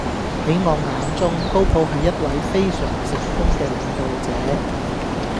喺我眼中，高普係一位非常成功嘅領導者